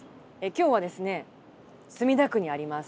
今日はですね墨田区にあります